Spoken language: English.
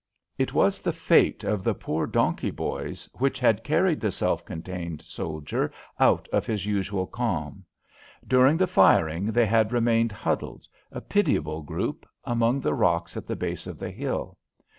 It was the fate of the poor donkey boys which had carried the self contained soldier out of his usual calm. During the firing they had remained huddled, a pitiable group, among the rocks at the base of the hill.